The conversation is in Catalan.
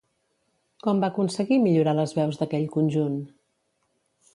Com va aconseguir millorar les veus d'aquell conjunt?